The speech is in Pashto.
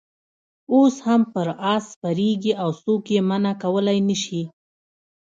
اوس هم پر آس سپرېږي او څوک یې منع کولای نه شي.